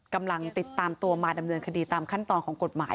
กำลังติดตามตัวมาดำเนินคดีตามขั้นตอนของกฎหมาย